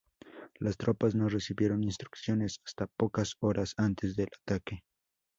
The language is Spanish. Las tropas no recibieron instrucciones hasta pocas horas antes del ataque.